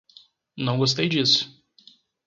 Não gostei disso